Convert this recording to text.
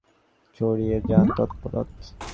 তত্ত্ব-সাক্ষাৎকার হইলে মানুষ সব ছাড়িয়া দেয়।